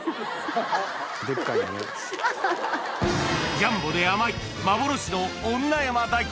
ジャンボで甘い幻の女山大根